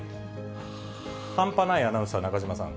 半端ないアナウンサー、中島さん。